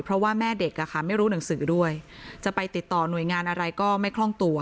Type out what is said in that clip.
เพราะว่าแม่เด็กไม่รู้หนังสือด้วยจะไปติดต่อหน่วยงานอะไรก็ไม่คล่องตัว